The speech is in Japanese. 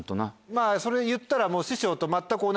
まぁそれ言ったら。